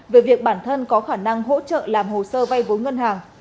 về việc bản thân có khả năng hỗ trợ làm hồ sơ vay vốn ngân hàng